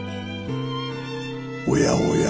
おやおや